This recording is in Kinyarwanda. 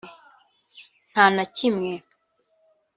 nta na kimwe